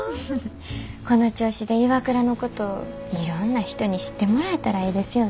この調子でＩＷＡＫＵＲＡのこといろんな人に知ってもらえたらええですよね。